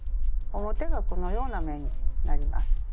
表がこのような目になります。